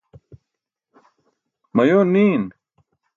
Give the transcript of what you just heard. mayoon niin